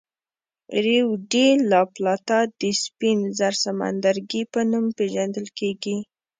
ریو ډي لا پلاتا د سپین زر سمندرګي په نوم پېژندل کېږي.